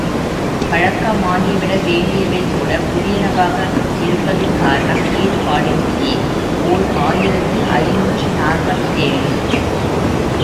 பழக்கமாகிவிட வேண்டியவை கூட புதியனவாக இருப்பதின் காரணம் ஈடுபாடின்மையே ஓர் ஆயிரத்து ஐநூற்று நாற்பத்தேழு.